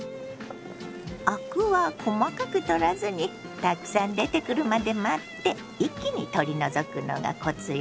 アクは細かく取らずにたくさん出てくるまで待って一気に取り除くのがコツよ。